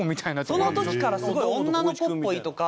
その時からすごい女の子っぽいとか。